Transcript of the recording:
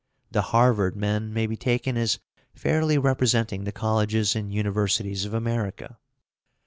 The Harvard men may be taken as fairly representing the colleges and universities of America.